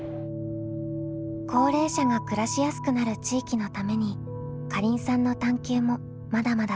高齢者が暮らしやすくなる地域のためにかりんさんの探究もまだまだ続いていくようです。